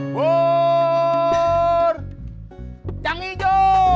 buur yang hijau